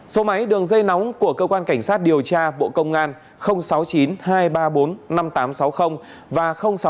số máy đường dây nóng của cơ quan cảnh sát điều tra bộ công an sáu mươi chín hai trăm ba mươi bốn năm nghìn tám trăm sáu mươi và sáu mươi chín hai trăm ba mươi một một nghìn sáu trăm bảy